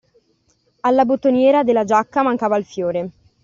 Alla bottoniera della giacca mancava il fiore